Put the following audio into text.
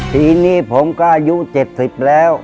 ทีนี้ผมก็อายุ๗๐แล้ว